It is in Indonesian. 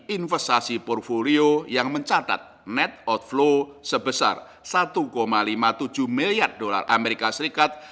investasi portfolio yang mencatat net outflow sebesar usd satu lima puluh tujuh miliar